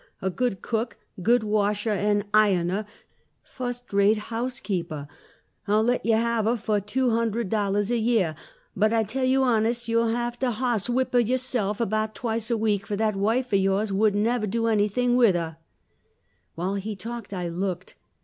A good cook, good washah and ionah, fust rate housekeepah ! I '11 let you have ah for two hundred doUahs a yeah ; but I '11 tell you honest, you '11 have to hosswhi]3ah youahself about twice a week, for that wife of youahs could nevah do anything with ah." While he talked I looked.